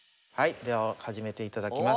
では始めていただきます。